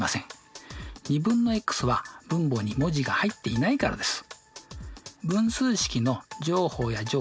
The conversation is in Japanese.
２分のｘは分母に文字が入っていないからです。